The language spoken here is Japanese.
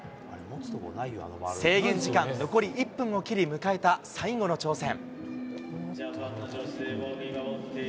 制限時間残り１分を切り、迎えた最後の挑戦。